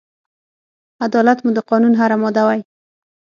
عدالت مو د قانون هره ماده وای